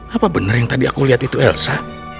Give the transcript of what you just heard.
apa benar yang tadi aku lihat itu elsa